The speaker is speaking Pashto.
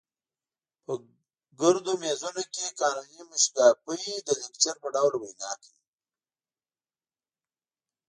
په ګردو میزونو کې قانوني موشګافۍ د لیکچر په ډول وینا کوي.